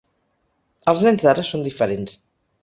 Els nens d’ara són diferents.